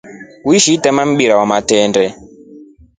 Wishi itema mpira wa matendee?